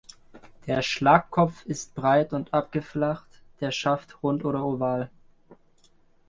Der Schlagkopf ist breit und abgeflacht, der Schaft rund oder oval.